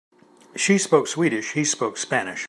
She spoke Swedish, he spoke Spanish.